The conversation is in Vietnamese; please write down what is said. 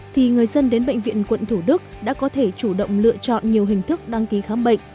thì người dân đến bệnh viện quận thủ đức đã có thể chủ động lựa chọn nhiều hình thức đăng ký khám bệnh